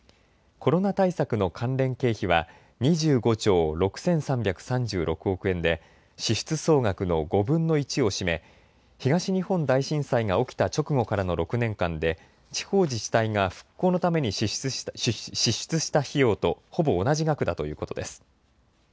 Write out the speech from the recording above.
コロナ対策の関連経費は２５兆６３３６億円で支出総額の５分の１を占め東日本大震災が起きた直後からの６年間で地方自治体が復興のために支出した費用とほぼ同じ額だということです。